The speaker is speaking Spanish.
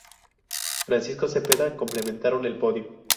Francisco Cepeda completaron el podio.